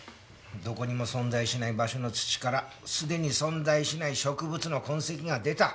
どこにも存在しない場所の土からすでに存在しない植物の痕跡が出た。